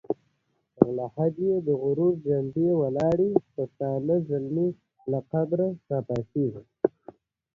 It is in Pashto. وګړي د افغانستان د ملي هویت نښه ده.